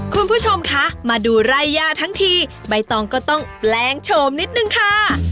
คุณผู้ชมคะมาดูไร่ย่าทั้งทีใบตองก็ต้องแปลงโฉมนิดนึงค่ะ